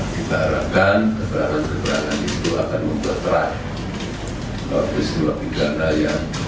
kita harapkan keberangan keberangan itu akan memperterai